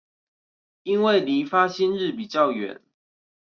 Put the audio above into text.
因為離發薪日比較遠